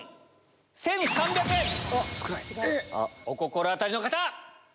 お心当たりの方！